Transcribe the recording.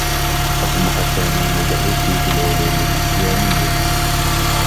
أصبح سامي مدرّسي في العلوم الإسلاميّة.